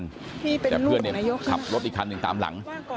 แต่เพื่อนเนี่ยขับรถอีกคันหนึ่งตามหลัง